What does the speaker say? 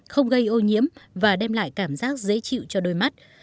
không gây ô nhiễm và đem lại cảm giác dễ chịu cho đôi mắt